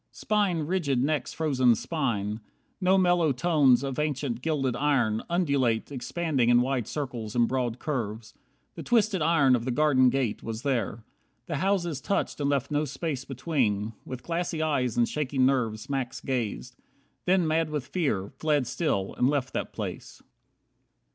Spine Rigid next frozen spine. No mellow tones Of ancient gilded iron, undulate, Expanding in wide circles and broad curves, The twisted iron of the garden gate, Was there. The houses touched and left no space Between. With glassy eyes and shaking nerves Max gazed. Then mad with fear, fled still, and left that place.